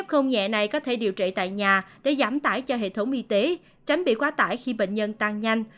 không nhẹ này có thể điều trị tại nhà để giảm tải cho hệ thống y tế tránh bị quá tải khi bệnh nhân tăng nhanh